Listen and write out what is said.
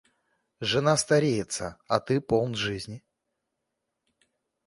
Жена стареется, а ты полн жизни.